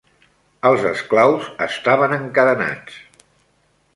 Els esclaus estaven encadenats.